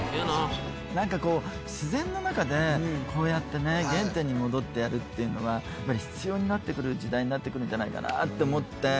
なんかこう自然の中でこうやってね原点に戻ってやるっていうのはやっぱり必要になってくる時代になってくるんじゃないかなって思って。